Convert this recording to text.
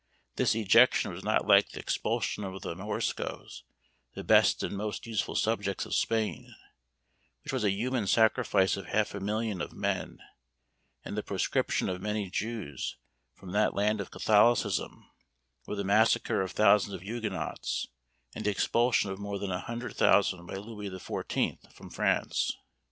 This ejection was not like the expulsion of the Moriscoes, the best and most useful subjects of Spain, which was a human sacrifice of half a million of men, and the proscription of many Jews from that land of Catholicism; or the massacre of thousands of Huguenots, and the expulsion of more than a hundred thousand by Louis the Fourteenth from France.